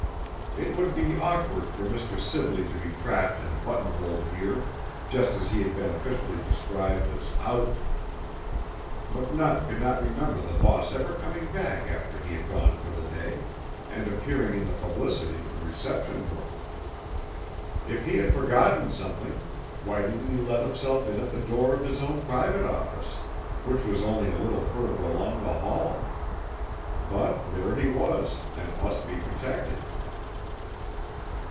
It would be awkward for Mr. Sibley to be trapped and buttonholed here, just as he had been officially described as out. McNutt could not remember the boss ever coming back after he had gone for the day, and appearing in the publicity of the reception room. If he had forgotten something, why didn't he let himself in at the door of his own private office, which was only a little further along the hall? But, there he was, and must be protected.